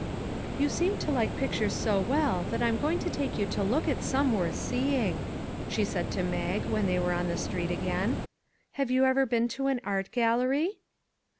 " You seem to like pictures so well that I'm going to take you to look at some worth see ing," she said to Mag when they were on the street again. " Have you ever been to an art gallery?"